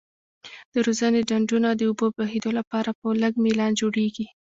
د روزنې ډنډونه د اوبو بهیدو لپاره په لږ میلان جوړیږي.